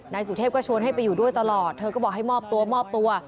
นายสุเทพก็ชวนให้ไปอยู่ด้วยตลอดเธอก็บอกให้มอบตัวมอบตัว